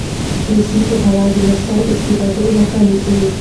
سیاسي پوهاوی د ناسمې استفادې مخه نیسي